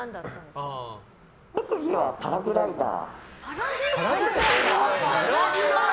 特技はパラグライダー。